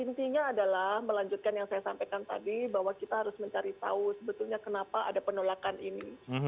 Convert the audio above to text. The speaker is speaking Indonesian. intinya adalah melanjutkan yang saya sampaikan tadi bahwa kita harus mencari tahu sebetulnya kenapa ada penolakan ini